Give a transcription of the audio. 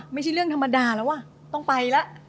ไม่ใช่เรื่องธรรมดาแล้วว่ะต้องไปแล้ว